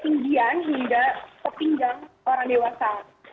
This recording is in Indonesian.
ketinggian hingga sepinggang orang dewasa